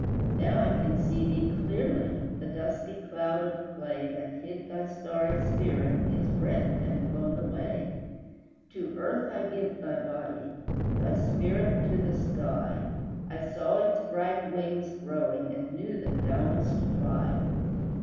Now I can see thee clearly; The dusky cloud of clay, That hid thy starry spirit, Is rent and blown away: To earth I give thy body, Thy spirit to the sky, I saw its bright wings growing, And knew that thou must fly.